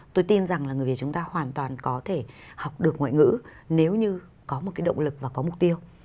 tôi tin rằng là người việt chúng ta hoàn toàn có thể học được ngoại ngữ nếu như có một cái động lực và có mục tiêu